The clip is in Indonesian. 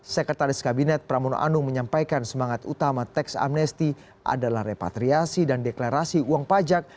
sekretaris kabinet pramono anung menyampaikan semangat utama teks amnesti adalah repatriasi dan deklarasi uang pajak